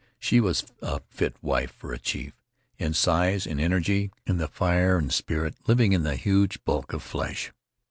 She was a fit wife for a chief, in size, in energy, in the fire and spirit living in the huge bulk of flesh.